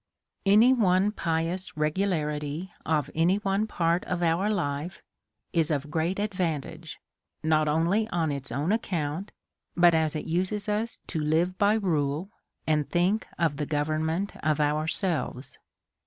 ANY one pious regularity of any one part of our t life is of great advantage, not only on its own account, but as it uses us to live by rule, and think of the go vernment of ourselves.